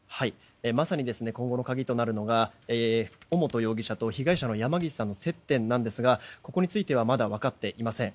まさに今後の鍵となるのが尾本容疑者と被害者の山岸さんの接点なんですがここについてはまだ分かっていません。